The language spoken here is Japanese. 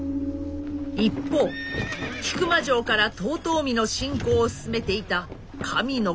一方引間城から遠江の侵攻を進めていた神の君は。